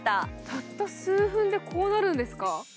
たった数分で、こうなるんですか？